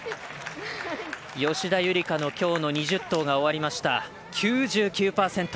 吉田夕梨花のきょうの２０投が終わりました。